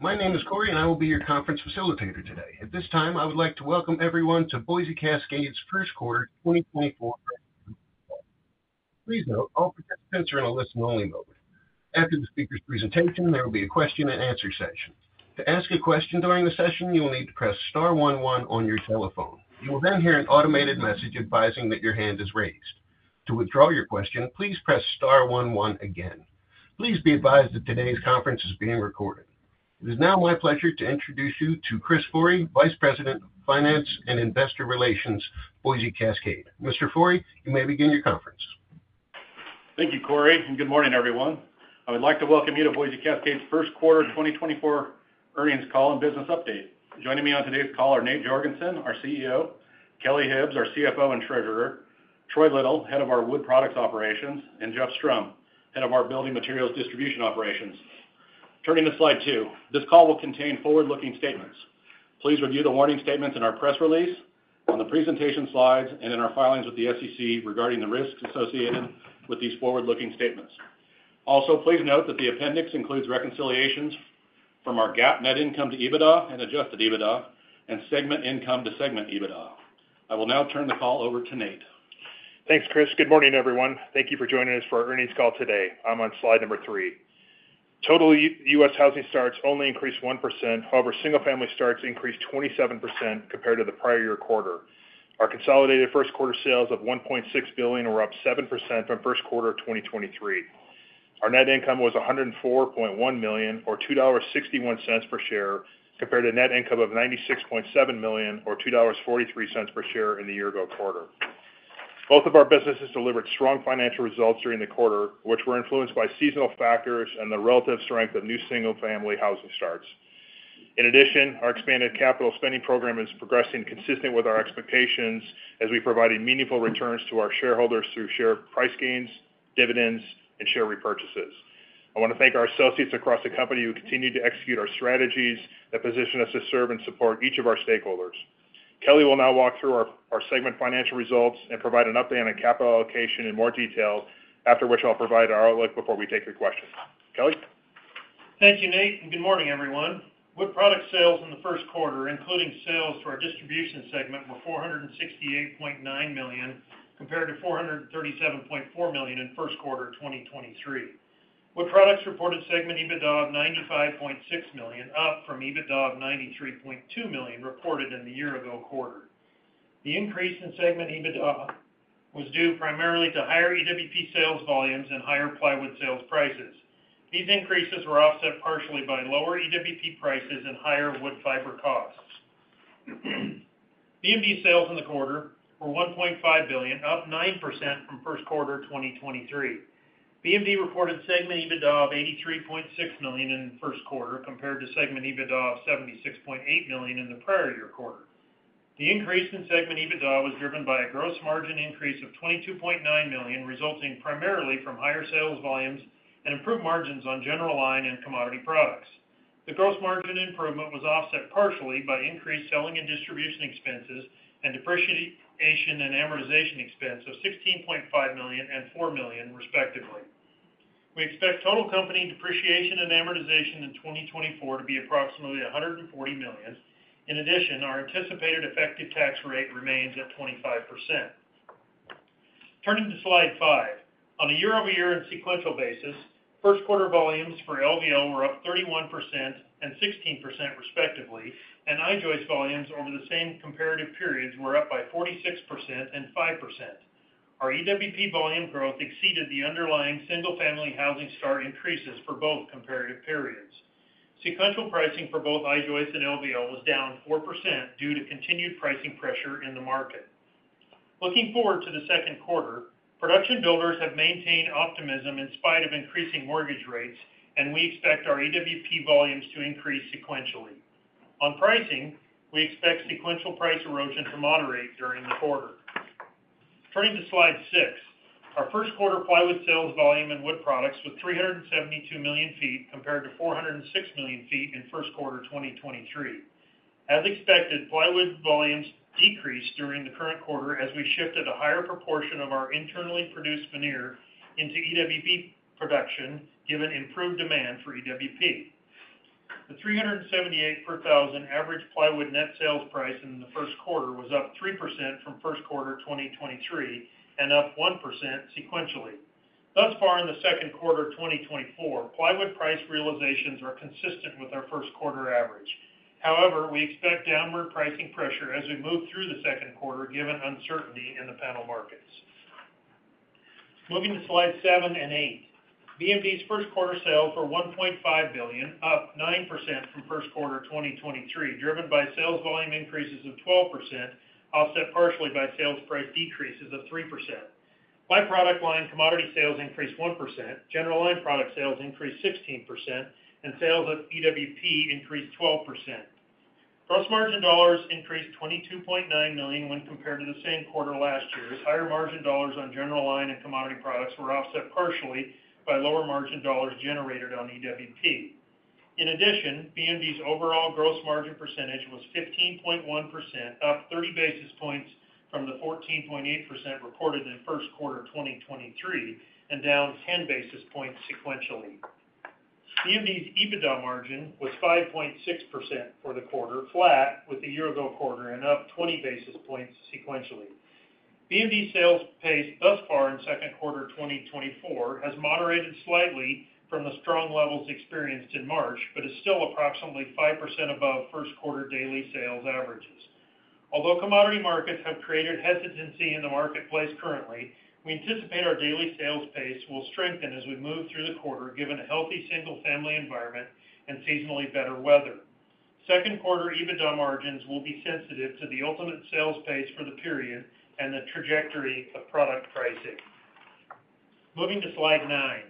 My name is Corey, and I will be your conference facilitator today. At this time, I would like to welcome everyone to Boise Cascade's First Quarter 2024. Please note, all participants are in a listen-only mode. After the speaker's presentation, there will be a question-and-answer session. To ask a question during the session, you will need to press star one one on your telephone. You will then hear an automated message advising that your hand is raised. To withdraw your question, please press star one one again. Please be advised that today's conference is being recorded. It is now my pleasure to introduce you to Chris Forrey, Vice President of Finance and Investor Relations, Boise Cascade. Mr. Forrey, you may begin your conference. Thank you, Corey, and good morning, everyone. I would like to welcome you to Boise Cascade's First Quarter 2024 Earnings Call and Business Update. Joining me on today's call are Nate Jorgensen, our CEO, Kelly Hibbs, our CFO and Treasurer, Troy Little, Head of our Wood Products Operations, and Jeff Strom, Head of our Building Materials Distribution Operations. Turning to Slide 2. This call will contain forward-looking statements. Please review the warning statements in our press release, on the presentation slides, and in our filings with the SEC regarding the risks associated with these forward-looking statements. Also, please note that the appendix includes reconciliations from our GAAP net income to EBITDA and adjusted EBITDA and segment income to segment EBITDA. I will now turn the call over to Nate. Thanks, Chris. Good morning, everyone. Thank you for joining us for our earnings call today. I'm on slide number 3. Total U.S. housing starts only increased 1%, however, single-family starts increased 27% compared to the prior year quarter. Our consolidated first quarter sales of $1.6 billion were up 7% from first quarter of 2023. Our net income was $104.1 million, or $2.61 per share, compared to net income of $96.7 million, or $2.43 per share in the year-ago quarter. Both of our businesses delivered strong financial results during the quarter, which were influenced by seasonal factors and the relative strength of new single-family housing starts. In addition, our expanded capital spending program is progressing consistent with our expectations as we provided meaningful returns to our shareholders through share price gains, dividends, and share repurchases. I want to thank our associates across the company who continue to execute our strategies that position us to serve and support each of our stakeholders. Kelly will now walk through our segment financial results and provide an update on capital allocation in more detail, after which I'll provide our outlook before we take your questions. Kelly? Thank you, Nate, and good morning, everyone. Wood Products sales in the first quarter, including sales to our distribution segment, were $468.9 million, compared to $437.4 million in first quarter of 2023. Wood Products reported segment EBITDA of $95.6 million, up from EBITDA of $93.2 million reported in the year-ago quarter. The increase in segment EBITDA was due primarily to higher EWP sales volumes and higher plywood sales prices. These increases were offset partially by lower EWP prices and higher wood fiber costs. BMD sales in the quarter were $1.5 billion, up 9% from first quarter of 2023. BMD reported segment EBITDA of $83.6 million in the first quarter, compared to segment EBITDA of $76.8 million in the prior year quarter. The increase in segment EBITDA was driven by a gross margin increase of $22.9 million, resulting primarily from higher sales volumes and improved margins on general line and commodity products. The gross margin improvement was offset partially by increased selling and distribution expenses and depreciation and amortization expense of $16.5 million and $4 million, respectively. We expect total company depreciation and amortization in 2024 to be approximately $140 million. In addition, our anticipated effective tax rate remains at 25%. Turning to Slide 5. On a year-over-year and sequential basis, first quarter volumes for LVL were up 31% and 16%, respectively, and I-joist volumes over the same comparative periods were up by 46% and 5%. Our EWP volume growth exceeded the underlying single-family housing start increases for both comparative periods. Sequential pricing for both I-joist and LVL was down 4% due to continued pricing pressure in the market. Looking forward to the second quarter, production builders have maintained optimism in spite of increasing mortgage rates, and we expect our EWP volumes to increase sequentially. On pricing, we expect sequential price erosion to moderate during the quarter. Turning to Slide 6. Our first quarter plywood sales volume and Wood Products with 372 million feet, compared to 406 million feet in first quarter of 2023. As expected, plywood volumes decreased during the current quarter as we shifted a higher proportion of our internally produced veneer into EWP production, given improved demand for EWP. The $378 per thousand average plywood net sales price in the first quarter was up 3% from first quarter of 2023 and up 1% sequentially. Thus far in the second quarter of 2024, plywood price realizations are consistent with our first quarter average. However, we expect downward pricing pressure as we move through the second quarter, given uncertainty in the panel markets. Moving to Slide 7 and 8. BMD's first quarter sales were $1.5 billion, up 9% from first quarter of 2023, driven by sales volume increases of 12%, offset partially by sales price decreases of 3%. By product line, commodity sales increased 1%, general line product sales increased 16%, and sales of EWP increased 12%. Gross margin dollars increased $22.9 million when compared to the same quarter last year, as higher margin dollars on general line and commodity products were offset partially by lower margin dollars generated on EWP. In addition, BMD's overall gross margin percentage was 15.1%, up 30 basis points from the 14.8% reported in the first quarter of 2023, and down 10 basis points sequentially. BMD's EBITDA margin was 5.6% for the quarter, flat with the year-ago quarter and up 20 basis points sequentially. BMD sales pace thus far in second quarter 2024 has moderated slightly from the strong levels experienced in March, but is still approximately 5% above first quarter daily sales averages. Although commodity markets have created hesitancy in the marketplace currently, we anticipate our daily sales pace will strengthen as we move through the quarter, given a healthy single-family environment and seasonally better weather. Second quarter EBITDA margins will be sensitive to the ultimate sales pace for the period and the trajectory of product pricing. Moving to Slide 9.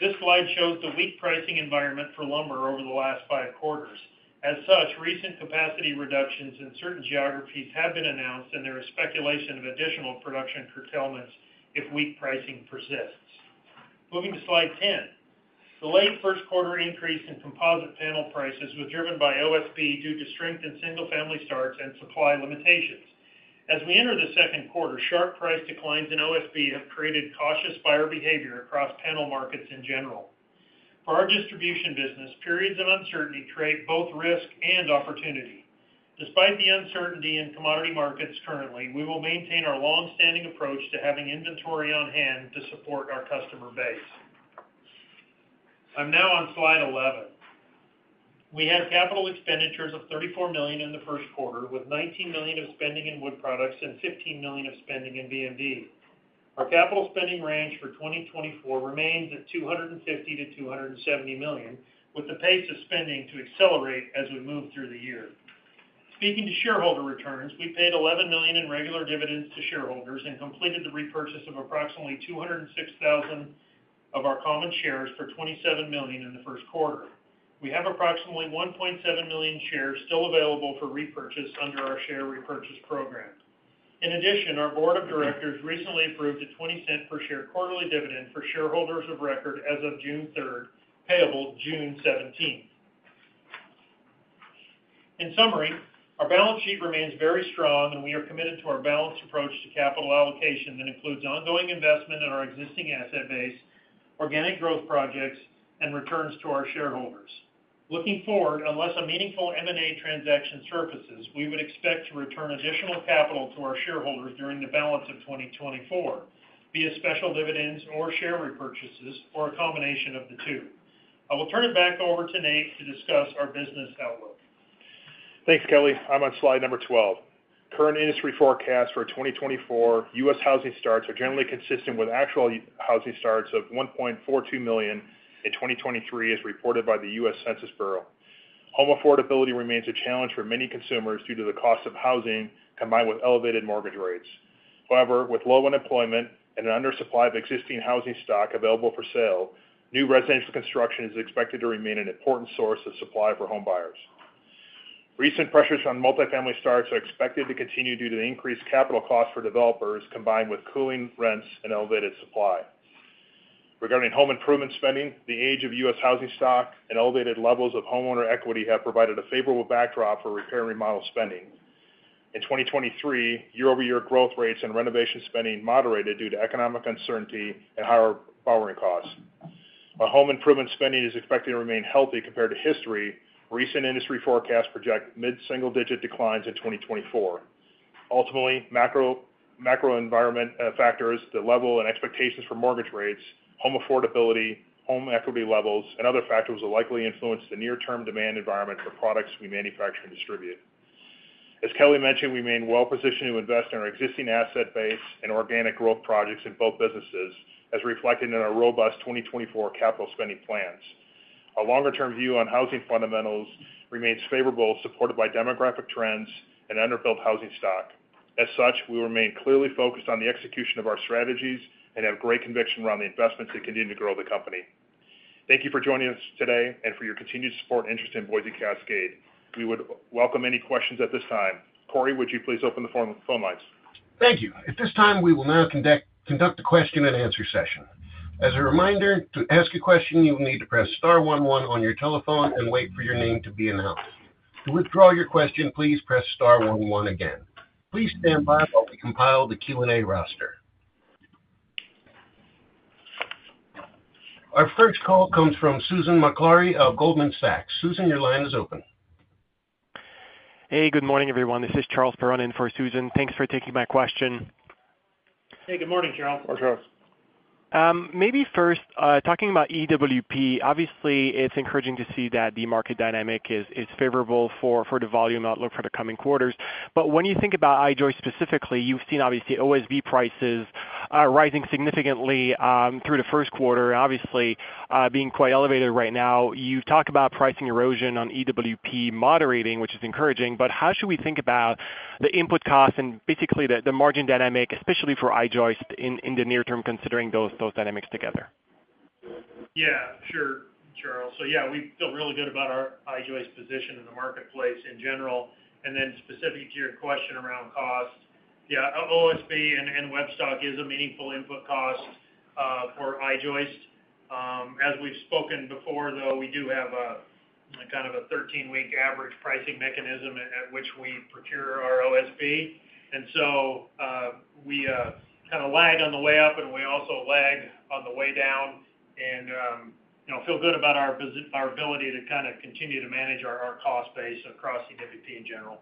This slide shows the weak pricing environment for lumber over the last five quarters. As such, recent capacity reductions in certain geographies have been announced, and there is speculation of additional production curtailments if weak pricing persists. Moving to Slide 10. The late first quarter increase in composite panel prices was driven by OSB due to strength in single-family starts and supply limitations. As we enter the second quarter, sharp price declines in OSB have created cautious buyer behavior across panel markets in general. For our distribution business, periods of uncertainty create both risk and opportunity. Despite the uncertainty in commodity markets currently, we will maintain our long-standing approach to having inventory on hand to support our customer base. I'm now on Slide 11. We had capital expenditures of $34 million in the first quarter, with $19 million of spending in Wood Products and $15 million of spending in BMD. Our capital spending range for 2024 remains at $250 million-$270 million, with the pace of spending to accelerate as we move through the year. Speaking to shareholder returns, we paid $11 million in regular dividends to shareholders and completed the repurchase of approximately 206,000 of our common shares for $27 million in the first quarter. We have approximately 1.7 million shares still available for repurchase under our share repurchase program. In addition, our board of directors recently approved a $0.20 per share quarterly dividend for shareholders of record as of June 3, payable June 17. In summary, our balance sheet remains very strong, and we are committed to our balanced approach to capital allocation that includes ongoing investment in our existing asset base, organic growth projects, and returns to our shareholders. Looking forward, unless a meaningful M&A transaction surfaces, we would expect to return additional capital to our shareholders during the balance of 2024, via special dividends or share repurchases, or a combination of the two. I will turn it back over to Nate to discuss our business outlook. Thanks, Kelly. I'm on slide number 12. Current industry forecasts for 2024 U.S. housing starts are generally consistent with actual housing starts of 1.42 million in 2023, as reported by the U.S. Census Bureau. Home affordability remains a challenge for many consumers due to the cost of housing, combined with elevated mortgage rates. However, with low unemployment and an undersupply of existing housing stock available for sale, new residential construction is expected to remain an important source of supply for homebuyers. Recent pressures on multifamily starts are expected to continue due to the increased capital costs for developers, combined with cooling rents and elevated supply. Regarding home improvement spending, the age of U.S. housing stock and elevated levels of homeowner equity have provided a favorable backdrop for repair and remodel spending. In 2023, year-over-year growth rates and renovation spending moderated due to economic uncertainty and higher borrowing costs. While home improvement spending is expected to remain healthy compared to history, recent industry forecasts project mid-single-digit declines in 2024. Ultimately, macro, macro environment factors, the level and expectations for mortgage rates, home affordability, home equity levels, and other factors will likely influence the near-term demand environment for products we manufacture and distribute. As Kelly mentioned, we remain well positioned to invest in our existing asset base and organic growth projects in both businesses, as reflected in our robust 2024 capital spending plans. Our longer-term view on housing fundamentals remains favorable, supported by demographic trends and under-built housing stock. As such, we remain clearly focused on the execution of our strategies and have great conviction around the investments that continue to grow the company. Thank you for joining us today and for your continued support and interest in Boise Cascade. We would welcome any questions at this time. Corey, would you please open the phone, phone lines? Thank you. At this time, we will now conduct a question-and-answer session. As a reminder, to ask a question, you will need to press star one one on your telephone and wait for your name to be announced. To withdraw your question, please press star one one again. Please stand by while we compile the Q&A roster. Our first call comes from Susan Maklari of Goldman Sachs. Susan, your line is open. Hey, good morning, everyone. This is Charles Perron-Piché in for Susan. Thanks for taking my question. Hey, good morning, Charles. Hi, Charles. Maybe first, talking about EWP, obviously it's encouraging to see that the market dynamic is favorable for the volume outlook for the coming quarters. But when you think about I-joist specifically, you've seen obviously OSB prices rising significantly through the first quarter, obviously being quite elevated right now. You've talked about pricing erosion on EWP moderating, which is encouraging, but how should we think about the input costs and basically the margin dynamic, especially for I-joist in the near term, considering those dynamics together? Yeah, sure, Charles. So yeah, we feel really good about our I-joist position in the marketplace in general. And then specific to your question around cost, yeah, OSB and web stock is a meaningful input cost for I-joist. As we've spoken before, though, we do have a kind of a 13-week average pricing mechanism at which we procure our OSB. And so we kind of lagged on the way up, and we also lagged on the way down. And you know feel good about our ability to kind of continue to manage our cost base across EWP in general.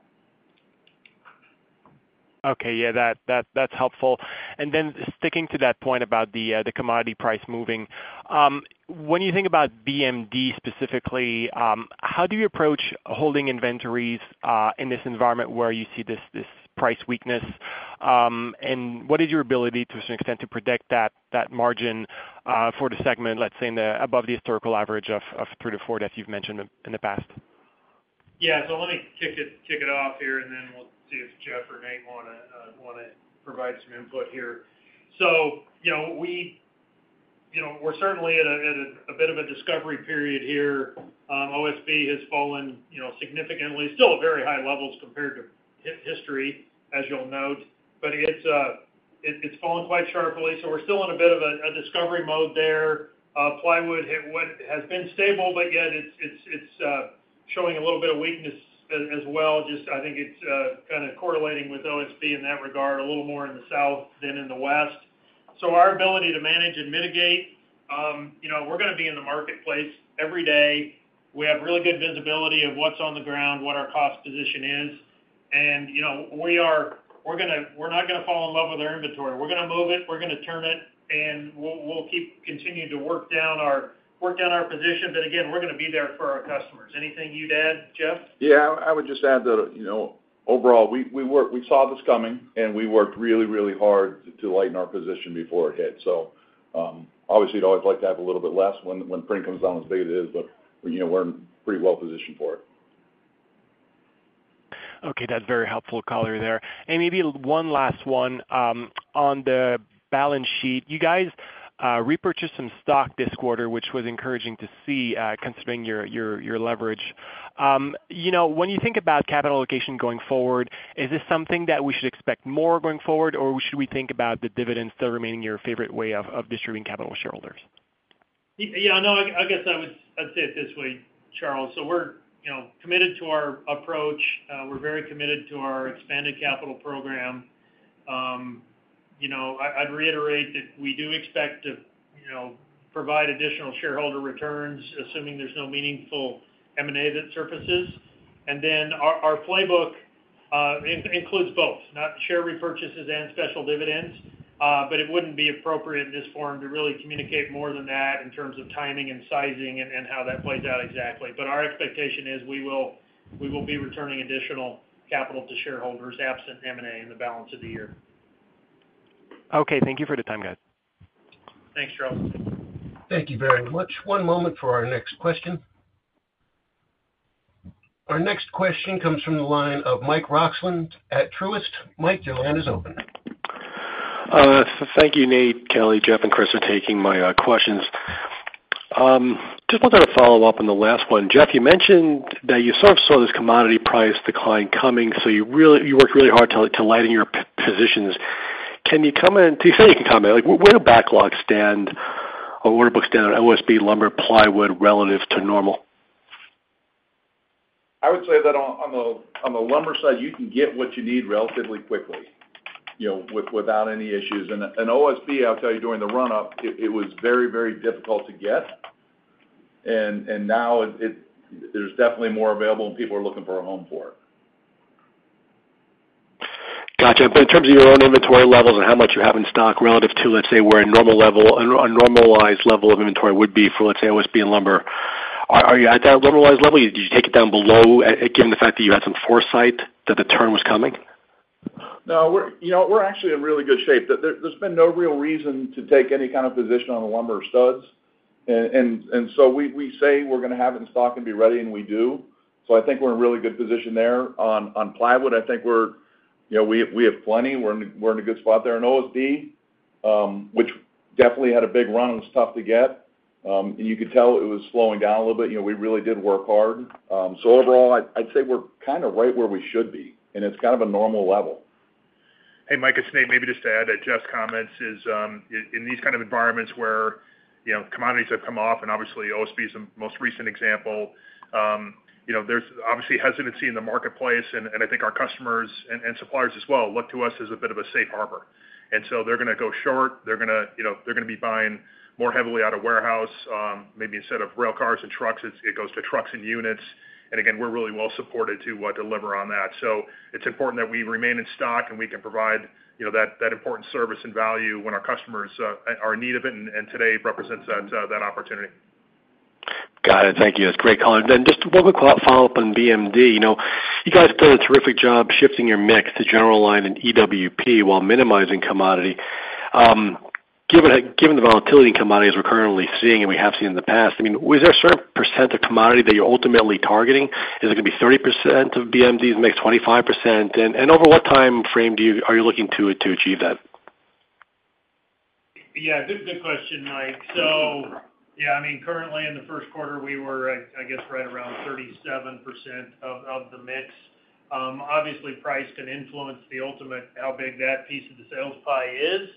Okay. Yeah, that, that, that's helpful. And then sticking to that point about the commodity price moving. When you think about BMD specifically, how do you approach holding inventories in this environment where you see this, this price weakness? And what is your ability, to a certain extent, to predict that, that margin for the segment, let's say, in the above the historical average of 3-4, that you've mentioned in the past? Yeah, so let me kick it off here, and then we'll see if Jeff or Nate wanna provide some input here. So you know, we're certainly at a bit of a discovery period here. OSB has fallen, you know, significantly. Still at very high levels compared to history, as you'll note. But it's fallen quite sharply, so we're still in a bit of a discovery mode there. Plywood has been stable, but yet it's showing a little bit of weakness as well. Just, I think it's kind of correlating with OSB in that regard, a little more in the south than in the west. So our ability to manage and mitigate, you know, we're gonna be in the marketplace every day. We have really good visibility of what's on the ground, what our cost position is. And, you know, we are, we're gonna, we're not gonna fall in love with our inventory. We're gonna move it, we're gonna turn it, and we'll keep continuing to work down our position. But again, we're gonna be there for our customers. Anything you'd add, Jeff? Yeah, I would just add that, you know, overall, we saw this coming, and we worked really, really hard to lighten our position before it hit. So, obviously, you'd always like to have a little bit less when spring comes down as big as it is, but, you know, we're pretty well positioned for it. Okay. That's very helpful color there. And maybe one last one. On the balance sheet, you guys repurchased some stock this quarter, which was encouraging to see, considering your leverage. You know, when you think about capital allocation going forward, is this something that we should expect more going forward, or should we think about the dividends still remaining your favorite way of distributing capital to shareholders? Yeah, no, I guess I would, I'd say it this way, Charles. So we're, you know, committed to our approach. We're very committed to our expanded capital program. You know, I, I'd reiterate that we do expect to, you know, provide additional shareholder returns, assuming there's no meaningful M&A that surfaces. And then our, our playbook includes both share repurchases and special dividends. But it wouldn't be appropriate in this forum to really communicate more than that in terms of timing and sizing and, and how that plays out exactly. But our expectation is we will, we will be returning additional capital to shareholders, absent M&A, in the balance of the year. Okay. Thank you for the time, guys. Thanks, Charles. Thank you very much. One moment for our next question. Our next question comes from the line of Mike Roxland at Truist. Mike, your line is open. So thank you, Nate, Kelly, Jeff, and Chris, for taking my questions. Just wanted to follow up on the last one. Jeff, you mentioned that you sort of saw this commodity price decline coming, so you really worked really hard to lighten your positions. Can you comment, to the extent you can comment, like, where do backlogs stand or order book stand on OSB, lumber, plywood, relative to normal? I would say that on the lumber side, you can get what you need relatively quickly, you know, without any issues. And OSB, I'll tell you, during the run-up, it was very, very difficult to get. And now it... there's definitely more available, and people are looking for a home for it. Gotcha. But in terms of your own inventory levels and how much you have in stock relative to, let's say, where a normal level, a normalized level of inventory would be for, let's say, OSB and lumber, are you at that normalized level? Did you take it down below, again, the fact that you had some foresight that the turn was coming? No, we're, you know, we're actually in really good shape. There's been no real reason to take any kind of position on the lumber studs. And so we say we're gonna have it in stock and be ready, and we do. So I think we're in a really good position there. On plywood, I think we're, you know, we have plenty. We're in a good spot there. In OSB, which definitely had a big run and was tough to get, and you could tell it was slowing down a little bit. You know, we really did work hard. So overall, I'd say we're kind of right where we should be, and it's kind of a normal level. Hey, Mike, it's Nate. Maybe just to add to Jeff's comments is, in these kind of environments where, you know, commodities have come off, and obviously OSB is the most recent example, you know, there's obviously hesitancy in the marketplace, and, and I think our customers and, and suppliers as well, look to us as a bit of a safe harbor. And so they're gonna go short. They're gonna, you know, they're gonna be buying more heavily out of warehouse. Maybe instead of rail cars and trucks, it's, it goes to trucks and units. And again, we're really well supported to, deliver on that. So it's important that we remain in stock, and we can provide, you know, that, that important service and value when our customers, are in need of it, and, and today represents that, that opportunity. Got it. Thank you. That's great color. Then just one quick follow-up on BMD. You know, you guys have done a terrific job shifting your mix to general line and EWP while minimizing commodity. Given the volatility in commodities we're currently seeing and we have seen in the past, I mean, is there a certain percent of commodity that you're ultimately targeting? Is it gonna be 30% of BMD's, maybe 25%? And over what time frame are you looking to achieve that? Yeah, good, good question, Mike. So yeah, I mean, currently in the first quarter, we were, I guess, right around 37% of the mix. Obviously, price can influence the ultimate, how big that piece of the sales pie is....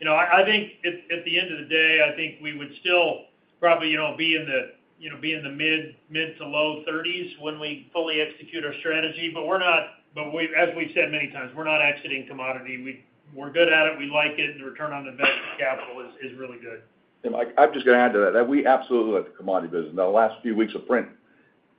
You know, I think at the end of the day, I think we would still probably, you know, be in the mid- to low 30s when we fully execute our strategy. But we're not but we, as we've said many times, we're not exiting commodity. We're good at it. We like it. The return on invested capital is really good. And Mike, I'm just gonna add to that, that we absolutely like the commodity business. Now, the last few weeks of print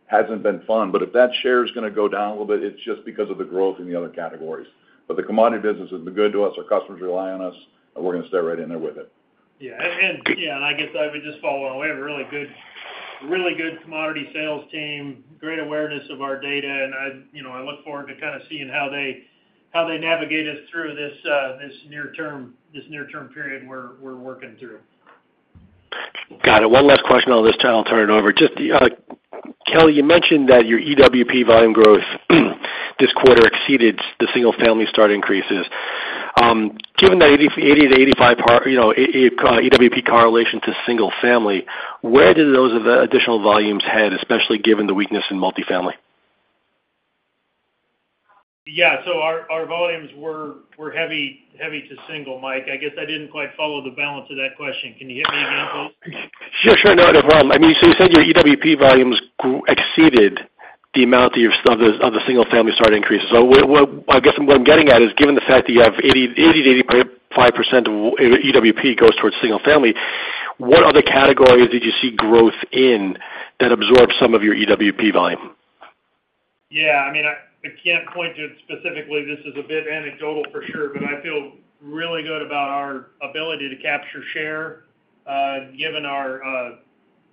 hasn't been fun, but if that share is gonna go down a little bit, it's just because of the growth in the other categories. But the commodity business has been good to us, our customers rely on us, and we're gonna stay right in there with it. Yeah. And yeah, I guess I would just follow on. We have a really good, really good commodity sales team, great awareness of our data, and I, you know, I look forward to kind of seeing how they, how they navigate us through this, this near term, this near term period we're, we're working through. Got it. One last question on this, then I'll turn it over. Just, Kelly, you mentioned that your EWP volume growth this quarter exceeded the single-family start increases. Given that 80%-85% you know, EWP correlation to single family, where do those additional volumes head, especially given the weakness in multifamily? Yeah, so our volumes were heavy to single, Mike. I guess I didn't quite follow the balance of that question. Can you hit me again, please? Sure, sure. No, no problem. I mean, so you said your EWP volumes exceeded the amount of the single-family start increases. So what-- I guess, what I'm getting at is, given the fact that you have 80%-85% of your EWP goes towards single-family, what other categories did you see growth in that absorbed some of your EWP volume? Yeah, I mean, I can't point to it specifically. This is a bit anecdotal for sure, but I feel really good about our ability to capture share, given our,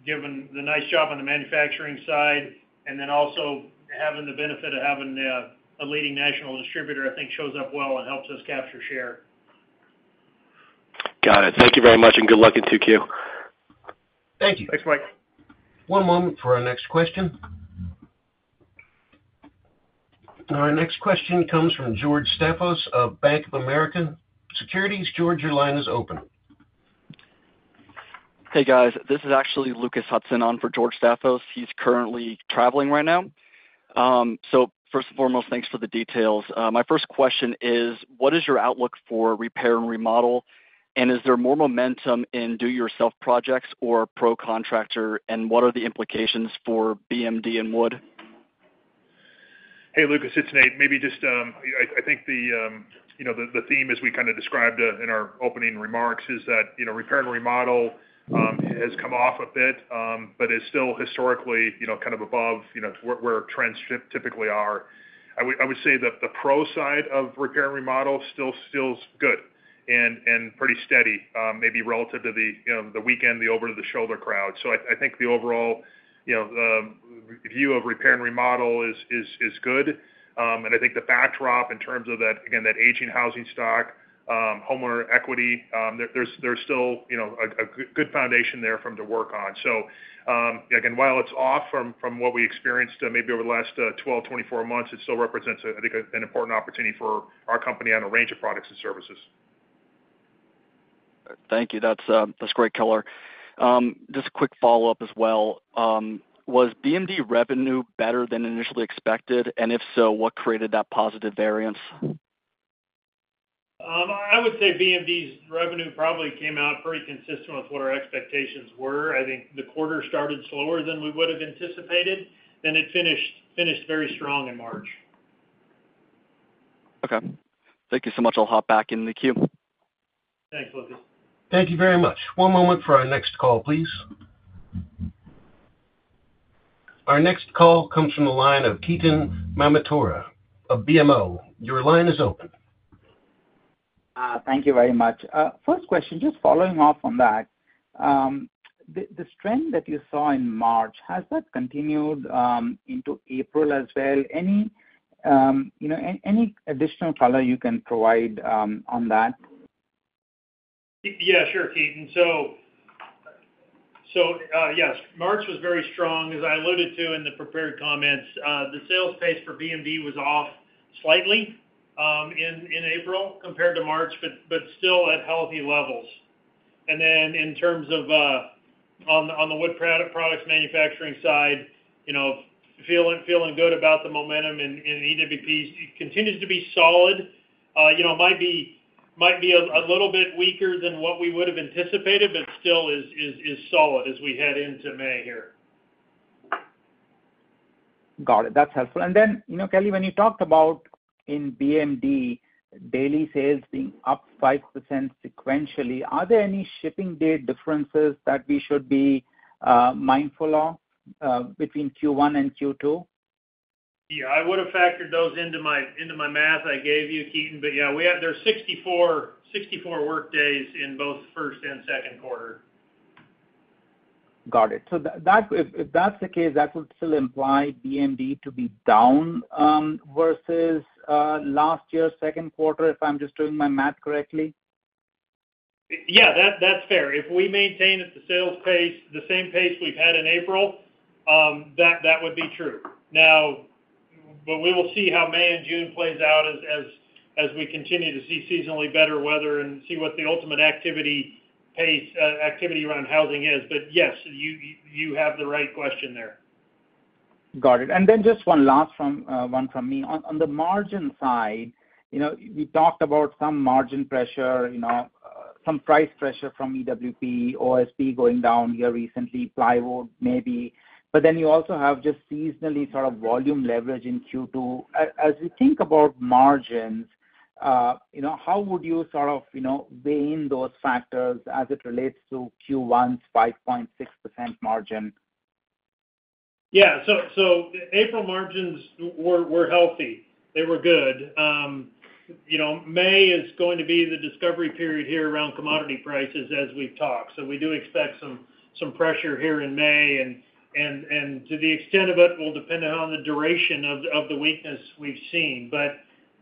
given the nice job on the manufacturing side, and then also having the benefit of having a leading national distributor, I think shows up well and helps us capture share. Got it. Thank you very much, and good luck in 2Q. Thank you. Thanks, Mike. One moment for our next question. Our next question comes from George Staphos of Bank of America Securities. George, your line is open. Hey, guys. This is actually Lucas Hudson on for George Staphos. He's currently traveling right now. So first and foremost, thanks for the details. My first question is: What is your outlook for repair and remodel? And is there more momentum in do-it-yourself projects or pro contractor, and what are the implications for BMD and Wood? Hey, Lucas, it's Nate. Maybe just, I think the theme as we kind of described in our opening remarks is that, you know, repair and remodel has come off a bit, but is still historically, you know, kind of above, you know, where trends typically are. I would say that the pro side of repair and remodel still feels good and pretty steady, maybe relative to the weekend, the over-the-shoulder crowd. So I think the overall, you know, view of repair and remodel is good. And I think the backdrop in terms of that, again, that aging housing stock, homeowner equity, there's still, you know, a good foundation there for them to work on. Again, while it's off from what we experienced, maybe over the last 12-24 months, it still represents, I think, an important opportunity for our company on a range of products and services. Thank you. That's great, Kelly. Just a quick follow-up as well. Was BMD revenue better than initially expected? And if so, what created that positive variance? I would say BMD's revenue probably came out pretty consistent with what our expectations were. I think the quarter started slower than we would have anticipated, then it finished, finished very strong in March. Okay. Thank you so much. I'll hop back in the queue. Thanks, Lucas. Thank you very much. One moment for our next call, please. Our next call comes from the line of Ketan Mamtora of BMO. Your line is open. Thank you very much. First question, just following up on that. The strength that you saw in March, has that continued into April as well? Any, you know, additional color you can provide on that? Yeah, sure, Ketan. So, yes, March was very strong. As I alluded to in the prepared comments, the sales pace for BMD was off slightly in April compared to March, but still at healthy levels. And then in terms of on the wood products manufacturing side, you know, feeling good about the momentum in EWP. It continues to be solid. You know, it might be a little bit weaker than what we would have anticipated, but still is solid as we head into May here. Got it. That's helpful. And then, you know, Kelly, when you talked about in BMD, daily sales being up 5% sequentially, are there any shipping date differences that we should be mindful of between Q1 and Q2? Yeah, I would have factored those into my, into my math I gave you, Ketan. But yeah, we have, there's 64, 64 work days in both first and second quarter. Got it. So that, if that's the case, that would still imply BMD to be down versus last year's second quarter, if I'm just doing my math correctly? Yeah, that's fair. If we maintain at the sales pace, the same pace we've had in April, that would be true. Now, but we will see how May and June plays out as we continue to see seasonally better weather and see what the ultimate activity pace, activity around housing is. But yes, you have the right question there. Got it. And then just one last one from me. On the margin side, you know, you talked about some margin pressure, you know, some price pressure from EWP, OSB going down here recently, plywood maybe. But then you also have just seasonally sort of volume leverage in Q2. As you think about margins, you know, how would you sort of, you know, weigh in those factors as it relates to Q1's 5.6% margin? Yeah, so April margins were healthy. They were good. You know, May is going to be the discovery period here around commodity prices, as we've talked. So we do expect some pressure here in May, and to the extent of it will depend on the duration of the weakness we've seen. But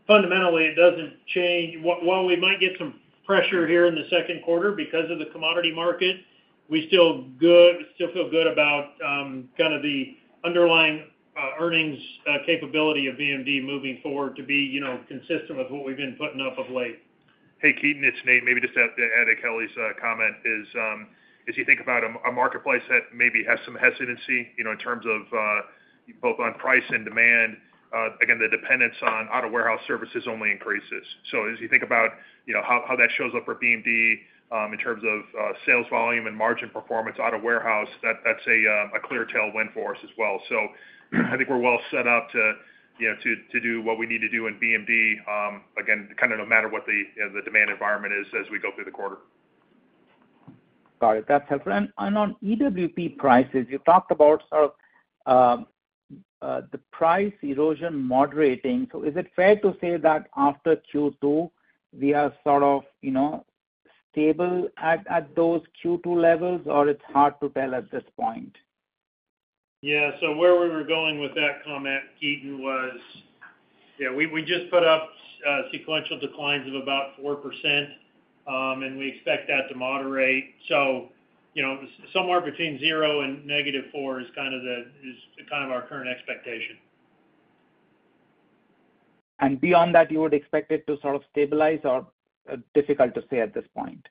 fundamentally, it doesn't change. While we might get some pressure here in the second quarter because of the commodity market, we still feel good about kind of the underlying earnings capability of BMD moving forward to be, you know, consistent with what we've been putting up of late. Hey, Ketan, it's Nate. Maybe just to add to Kelly's comment is, as you think about a marketplace that maybe has some hesitancy, you know, in terms of both on price and demand, again, the dependence on out-of-warehouse services only increases. So as you think about, you know, how that shows up for BMD, in terms of sales volume and margin performance out-of-warehouse, that's a clear tailwind for us as well. So I think we're well set up to, you know, to do what we need to do in BMD, again, kind of no matter what the, you know, the demand environment is as we go through the quarter. Got it. That's helpful. And on EWP prices, you talked about sort of the price erosion moderating. So is it fair to say that after Q2, we are sort of, you know, stable at those Q2 levels, or it's hard to tell at this point? Yeah, so where we were going with that comment, Ketan, was... Yeah, we, we just put up sequential declines of about 4%, and we expect that to moderate. So, you know, somewhere between 0% and -4% is kind of the, is kind of our current expectation. Beyond that, you would expect it to sort of stabilize or difficult to say at this point?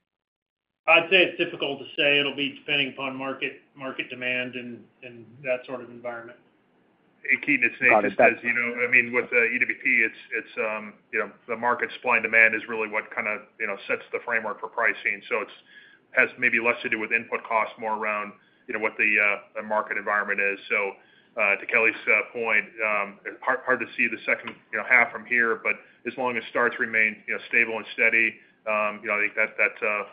I'd say it's difficult to say. It'll be depending upon market demand and that sort of environment. And Ketan, it's Nate. Just as you know, I mean, with EWP, it's, you know, the market supply and demand is really what kind of, you know, sets the framework for pricing. So it's has maybe less to do with input costs, more around, you know, what the market environment is. So to Kelly's point, hard to see the second, you know, half from here, but as long as starts remain, you know, stable and steady, you know, I think that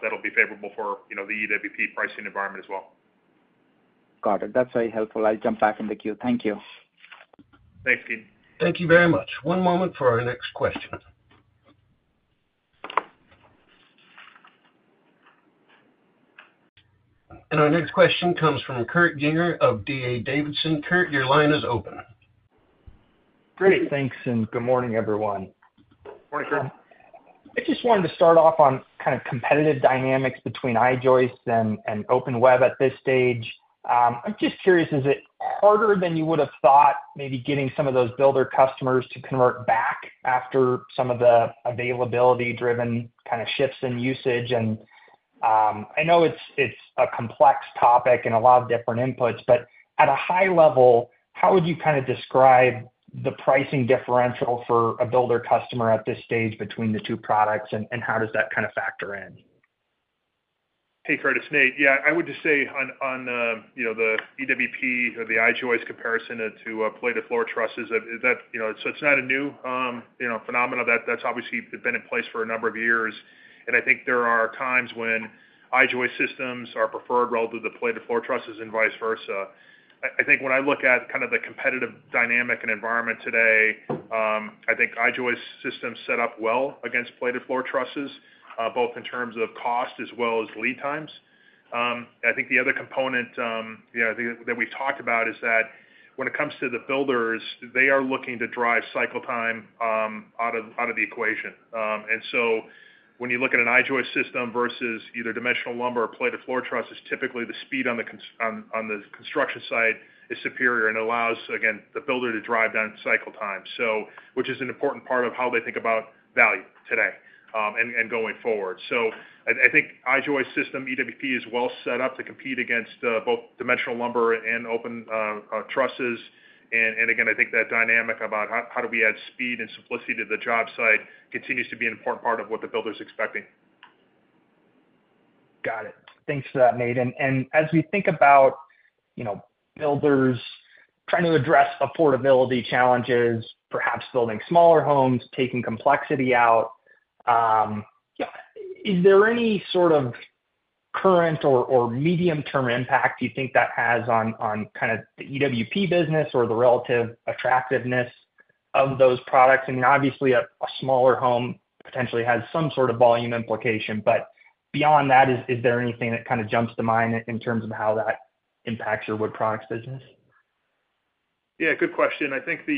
that'll be favorable for, you know, the EWP pricing environment as well. Got it. That's very helpful. I'll jump back in the queue. Thank you. Thanks, Keaton. Thank you very much. One moment for our next question. Our next question comes from Kurt Yinger of D.A. Davidson. Kurt, your line is open. Great. Thanks, and good morning, everyone. Morning, Kurt. I just wanted to start off on kind of competitive dynamics between I-joist and open web at this stage. I'm just curious, is it harder than you would have thought, maybe getting some of those builder customers to convert back after some of the availability-driven kind of shifts in usage? And, I know it's, it's a complex topic and a lot of different inputs, but at a high level, how would you kind of describe the pricing differential for a builder customer at this stage between the two products, and how does that kind of factor in? Hey, Kurt, it's Nate. Yeah, I would just say on you know, the EWP or the I-joist comparison to plated floor trusses, that you know, so it's not a new you know, phenomenon. That's obviously been in place for a number of years, and I think there are times when I-joist systems are preferred rather than the plated floor trusses and vice versa. I think when I look at kind of the competitive dynamic and environment today, I think I-joist systems set up well against plated floor trusses both in terms of cost as well as lead times. I think the other component that we've talked about is that when it comes to the builders, they are looking to drive cycle time out of the equation. And so when you look at an I-joist system versus either dimensional lumber or plated floor trusses, typically the speed on the construction site is superior and allows, again, the builder to drive down cycle time. So, which is an important part of how they think about value today, and going forward. So I think I-joist system, EWP, is well set up to compete against both dimensional lumber and open trusses. And again, I think that dynamic about how do we add speed and simplicity to the job site continues to be an important part of what the builder is expecting. Got it. Thanks for that, Nate. And as we think about, you know, builders trying to address affordability challenges, perhaps building smaller homes, taking complexity out, is there any sort of current or medium-term impact you think that has on kind of the EWP business or the relative attractiveness of those products? I mean, obviously, a smaller home potentially has some sort of volume implication, but beyond that, is there anything that kind of jumps to mind in terms of how that impacts your wood products business? Yeah, good question. I think the,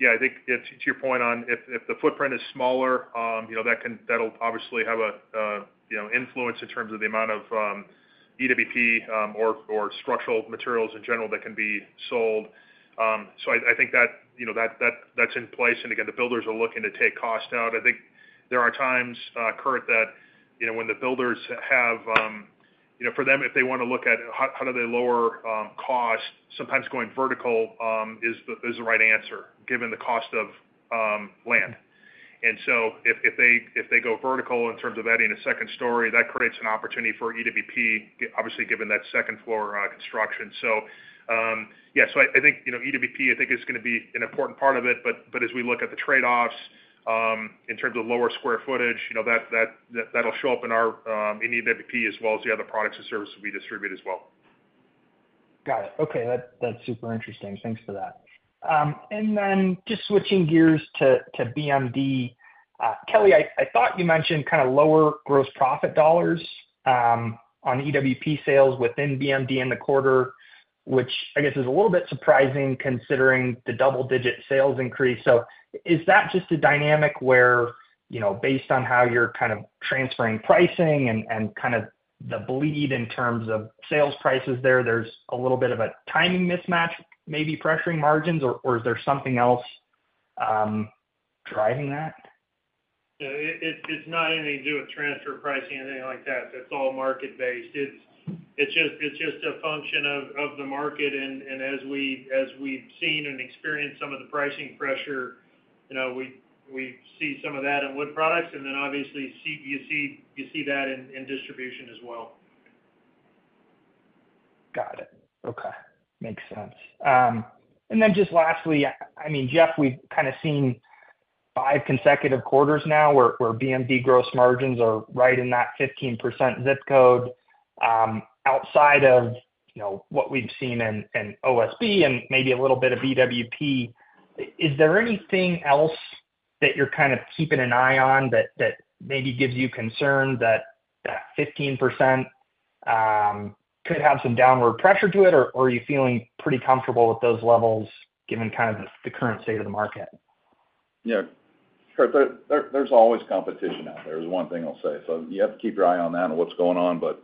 yeah, I think it's to your point on if, if the footprint is smaller, you know, that can—that'll obviously have a, you know, influence in terms of the amount of, EWP, or, or structural materials in general that can be sold. So I, I think that, you know, that, that, that's in place. And again, the builders are looking to take cost out. I think there are times, Kurt, that, you know, when the builders have, you know, for them, if they want to look at how, how do they lower, costs, sometimes going vertical, is the, is the right answer, given the cost of, land. And so if they go vertical in terms of adding a second story, that creates an opportunity for EWP, obviously, given that second floor construction. So, yeah, I think, you know, EWP is going to be an important part of it. But as we look at the trade-offs, in terms of lower square footage, you know, that that'll show up in our EWP as well as the other products and services we distribute as well. Got it. Okay, that, that's super interesting. Thanks for that. And then just switching gears to BMD. Kelly, I, I thought you mentioned kind of lower gross profit dollars on EWP sales within BMD in the quarter, which I guess is a little bit surprising considering the double-digit sales increase. So is that just a dynamic where, you know, based on how you're kind of transferring pricing and kind of the bleed in terms of sales prices there, there's a little bit of a timing mismatch, maybe pressuring margins, or is there something else driving that? Yeah, it's not anything to do with transfer pricing or anything like that. That's all market-based. It's just a function of the market, and as we've seen and experienced some of the pricing pressure, you know, we see some of that in Wood Products, and then obviously, you see that in distribution as well. Got it. Okay. Makes sense. And then just lastly, I mean, Jeff, we've kind of seen five consecutive quarters now where BMD gross margins are right in that 15% zip code. Outside of, you know, what we've seen in OSB and maybe a little bit of EWP, is there anything else that you're kind of keeping an eye on that maybe gives you concern that that 15% could have some downward pressure to it, or are you feeling pretty comfortable with those levels given kind of the current state of the market? Yeah. Sure. There, there's always competition out there, is one thing I'll say. So you have to keep your eye on that and what's going on. But,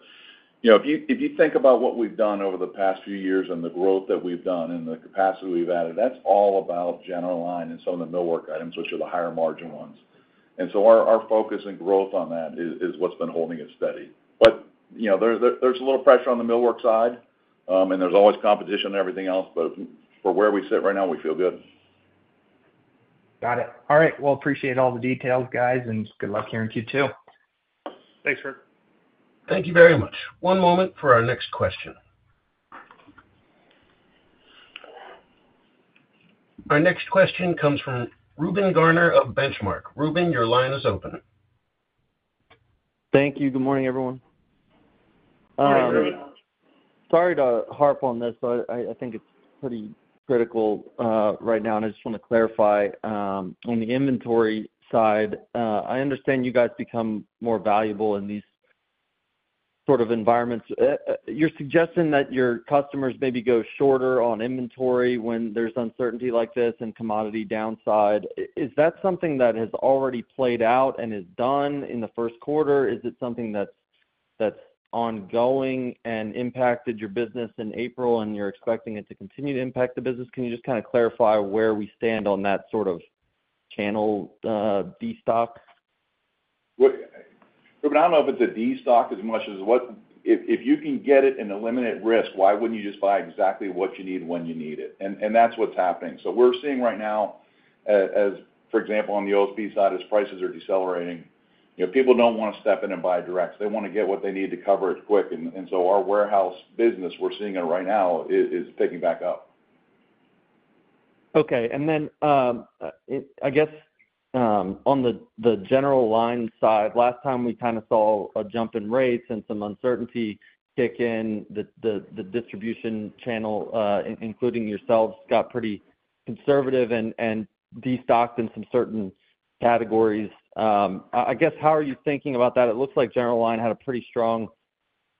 you know, if you, if you think about what we've done over the past few years and the growth that we've done and the capacity we've added, that's all about general line and some of the millwork items, which are the higher margin ones. And so our, our focus and growth on that is, is what's been holding it steady. But, you know, there, there's a little pressure on the millwork side, and there's always competition and everything else. But for where we sit right now, we feel good. Got it. All right. Well, appreciate all the details, guys, and good luck here in Q2. Thanks, Kurt. Thank you very much. One moment for our next question. Our next question comes from Reuben Garner of Benchmark. Reuben, your line is open. Thank you. Good morning, everyone. Good morning. Sorry to harp on this, but I think it's pretty critical right now, and I just want to clarify. On the inventory side, I understand you guys become more valuable in these sort of environments. You're suggesting that your customers maybe go shorter on inventory when there's uncertainty like this and commodity downside. Is that something that has already played out and is done in the first quarter? Is it something that's ongoing and impacted your business in April, and you're expecting it to continue to impact the business? Can you just kind of clarify where we stand on that sort of channel destock? Well, Reuben, I don't know if it's a destock as much as what, if you can get it and eliminate risk, why wouldn't you just buy exactly what you need when you need it? And that's what's happening. So we're seeing right now, as for example, on the OSB side, as prices are decelerating, you know, people don't want to step in and buy direct. They want to get what they need to cover it quick. And so our warehouse business, we're seeing it right now, is picking back up. Okay. And then, I guess, on the general line side, last time we kind of saw a jump in rates and some uncertainty kick in, the distribution channel, including yourselves, got pretty conservative and destocked in some certain categories. I guess, how are you thinking about that? It looks like general line had a pretty strong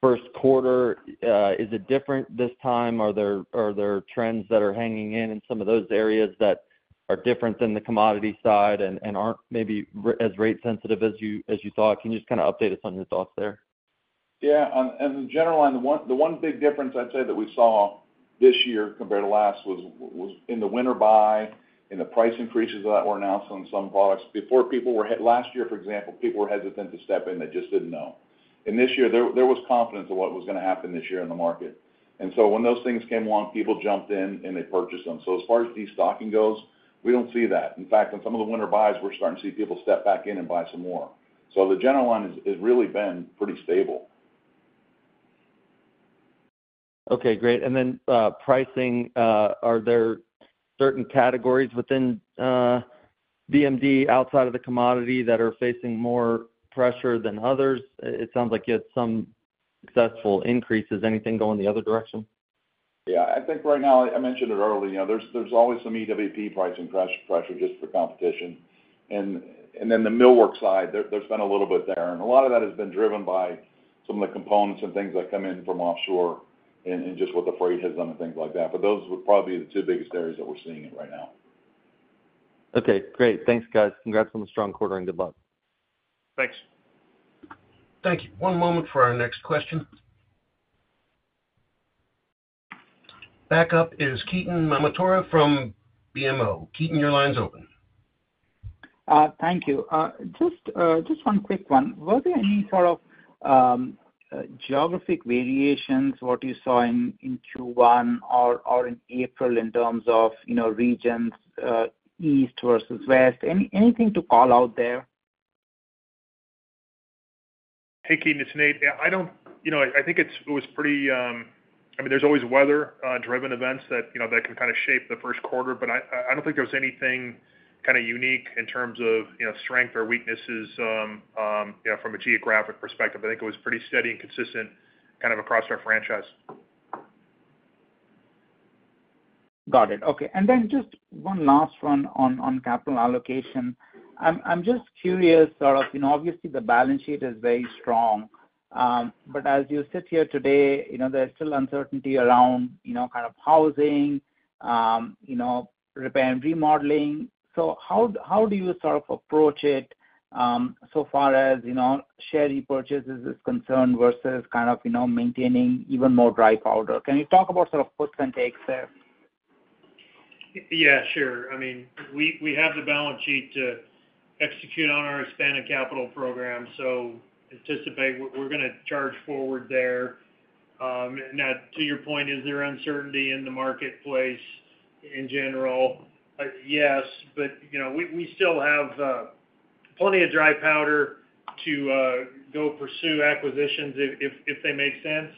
first quarter. Is it different this time? Are there trends that are hanging in some of those areas that are different than the commodity side and aren't maybe as rate sensitive as you thought? Can you just kind of update us on your thoughts there? Yeah. On in the general line, the one big difference I'd say that we saw this year compared to last was in the winter buy, in the price increases that were announced on some products. Before, people were last year, for example, people were hesitant to step in. They just didn't know. And this year, there was confidence of what was going to happen this year in the market. And so when those things came along, people jumped in, and they purchased them. So as far as destocking goes, we don't see that. In fact, in some of the winter buys, we're starting to see people step back in and buy some more. So the general line has really been pretty stable. Okay, great. And then, pricing, are there certain categories within, BMD outside of the commodity that are facing more pressure than others? It sounds like you had some successful increases. Anything going the other direction? Yeah. I think right now, I mentioned it earlier, you know, there's always some EWP pricing pressure just for competition. And then the millwork side, there's been a little bit there, and a lot of that has been driven by some of the components and things that come in from offshore and just what the freight has done and things like that. But those are probably the two biggest areas that we're seeing it right now. Okay, great. Thanks, guys. Congrats on the strong quarter and good luck. Thanks. Thank you. One moment for our next question... Next up is Ketan Mamtora from BMO. Ketan, your line's open. Thank you. Just one quick one. Were there any sort of geographic variations, what you saw in Q1 or in April in terms of, you know, regions, east versus west? Anything to call out there? Hey, Ketan, it's Nate. Yeah, I don't. You know, I think it's, it was pretty. I mean, there's always weather driven events that, you know, that can kind of shape the first quarter, but I don't think there was anything kind of unique in terms of, you know, strength or weaknesses, you know, from a geographic perspective. I think it was pretty steady and consistent, kind of across our franchise. Got it. Okay. And then just one last one on capital allocation. I'm just curious, sort of, you know, obviously, the balance sheet is very strong. But as you sit here today, you know, there's still uncertainty around, you know, kind of housing, you know, repair and remodeling. So how do you sort of approach it, so far as, you know, share repurchases is concerned versus kind of, you know, maintaining even more dry powder? Can you talk about sort of puts and takes there? Yeah, sure. I mean, we have the balance sheet to execute on our expanded capital program, so anticipate we're gonna charge forward there. Now, to your point, is there uncertainty in the marketplace in general? Yes, but, you know, we still have plenty of dry powder to go pursue acquisitions if they make sense.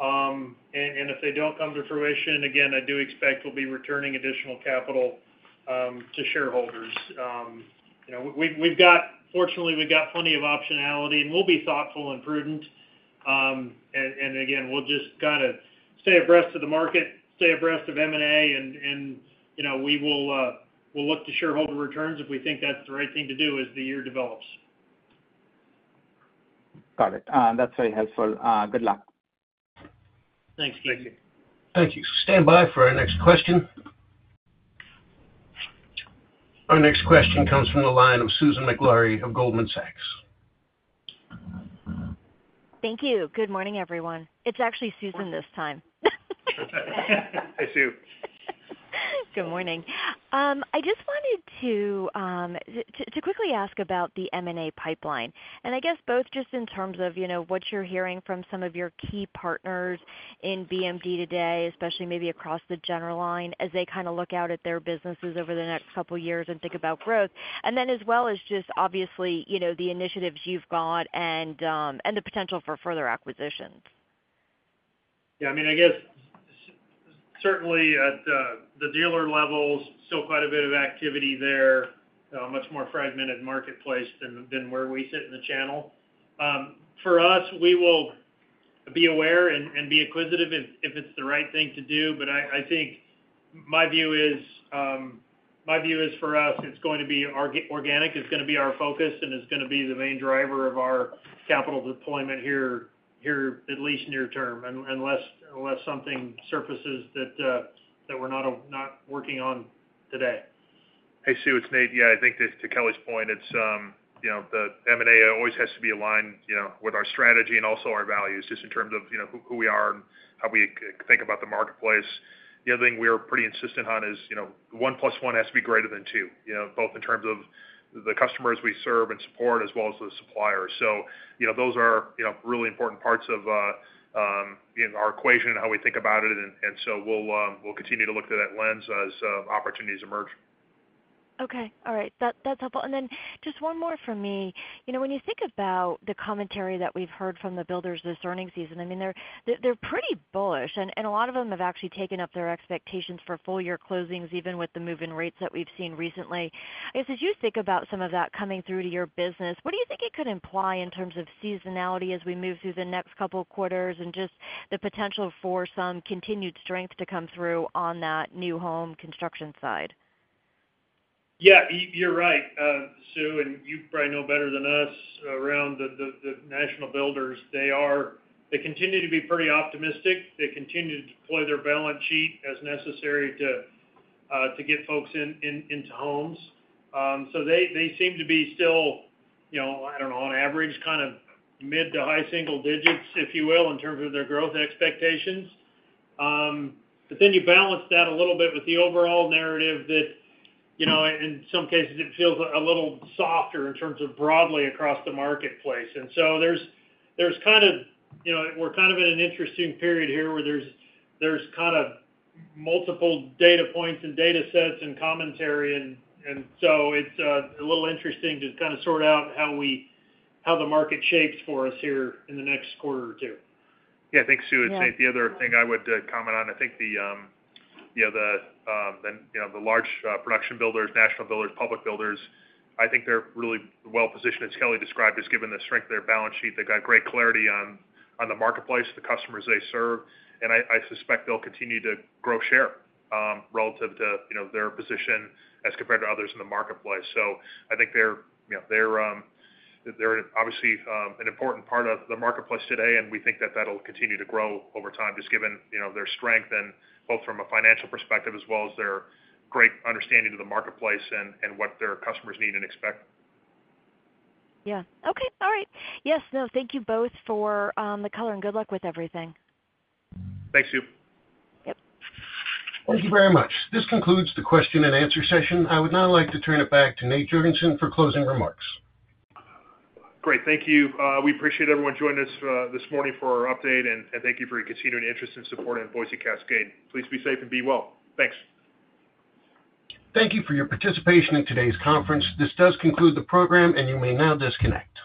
And if they don't come to fruition, again, I do expect we'll be returning additional capital to shareholders. You know, we've got... Fortunately, we've got plenty of optionality, and we'll be thoughtful and prudent. And again, we'll just kind of stay abreast of the market, stay abreast of M&A, and, you know, we will, we'll look to shareholder returns if we think that's the right thing to do as the year develops. Got it. That's very helpful. Good luck. Thanks, Keaton. Thank you. Stand by for our next question. Our next question comes from the line of Susan Maklari of Goldman Sachs. Thank you. Good morning, everyone. It's actually Susan this time. Hi, Sue. Good morning. I just wanted to quickly ask about the M&A pipeline, and I guess both just in terms of, you know, what you're hearing from some of your key partners in BMD today, especially maybe across the general line, as they kind of look out at their businesses over the next couple of years and think about growth. And then, as well as just obviously, you know, the initiatives you've got and the potential for further acquisitions. Yeah, I mean, I guess certainly at the dealer levels, still quite a bit of activity there, a much more fragmented marketplace than where we sit in the channel. For us, we will be aware and be inquisitive if it's the right thing to do. But I think my view is for us, it's going to be organic. It's gonna be our focus, and it's gonna be the main driver of our capital deployment here, at least near term, unless something surfaces that we're not working on today. Hey, Sue, it's Nate. Yeah, I think to Kelly's point, it's, you know, the M&A always has to be aligned, you know, with our strategy and also our values, just in terms of, you know, who we are and how we think about the marketplace. The other thing we are pretty insistent on is, you know, one plus one has to be greater than two, you know, both in terms of the customers we serve and support, as well as the suppliers. So, you know, those are, you know, really important parts of in our equation and how we think about it. And so we'll continue to look through that lens as opportunities emerge. Okay. All right. That's helpful. And then just one more from me. You know, when you think about the commentary that we've heard from the builders this earnings season, I mean, they're pretty bullish, and a lot of them have actually taken up their expectations for full year closings, even with the move-in rates that we've seen recently. I guess, as you think about some of that coming through to your business, what do you think it could imply in terms of seasonality as we move through the next couple of quarters, and just the potential for some continued strength to come through on that new home construction side? Yeah, you, you're right, Sue, and you probably know better than us around the national builders. They continue to be pretty optimistic. They continue to deploy their balance sheet as necessary to get folks into homes. So they seem to be still, you know, I don't know, on average, kind of mid to high single digits, if you will, in terms of their growth expectations. But then you balance that a little bit with the overall narrative that, you know, in some cases, it feels a little softer in terms of broadly across the marketplace. So there's kind of, you know, we're kind of in an interesting period here, where there's kind of multiple data points and data sets and commentary, and so it's a little interesting to kind of sort out how the market shapes for us here in the next quarter or two. Yeah, thanks, Sue. Yeah. It's Nate. The other thing I would comment on, I think you know the large production builders, national builders, public builders, I think they're really well positioned, as Kelly described, just given the strength of their balance sheet. They've got great clarity on the marketplace, the customers they serve, and I suspect they'll continue to grow share relative to you know their position as compared to others in the marketplace. So I think they're you know they're obviously an important part of the marketplace today, and we think that that'll continue to grow over time, just given you know their strength and both from a financial perspective, as well as their great understanding of the marketplace and what their customers need and expect. Yeah. Okay, all right. Yes, no, thank you both for the color, and good luck with everything. Thanks, Sue. Yep. Thank you very much. This concludes the question and answer session. I would now like to turn it back to Nate Jorgensen for closing remarks. Great. Thank you. We appreciate everyone joining us this morning for our update, and thank you for your continued interest and support in Boise Cascade. Please be safe and be well. Thanks. Thank you for your participation in today's conference. This does conclude the program, and you may now disconnect.